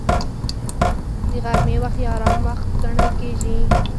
د غرمې وخت یو آرام وخت ګڼل کېږي